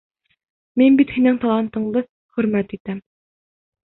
Мин бит һинең талантыңды хөрмәт итәм.